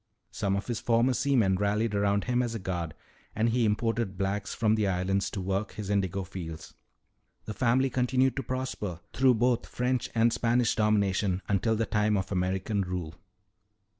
Some of his former seamen rallied around him as a guard, and he imported blacks from the islands to work his indigo fields. "The family continued to prosper through both French and Spanish domination until the time of American rule."